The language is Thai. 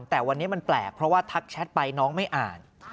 แต่วันนี้มันแปลกเพราะว่าทักแชทไปน้องไม่อ่าน